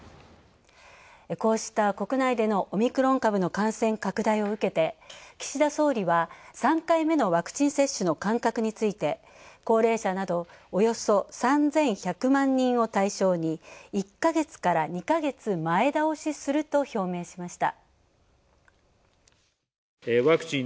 こうした国内でのオミクロン株の感染拡大を受けて、岸田総理は３回目のワクチン接種の間隔について、高齢者などおよそ３１００万人を対象に１か月から２か月前倒しすると表明しました。